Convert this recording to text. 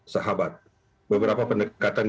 sahabat beberapa pendekatan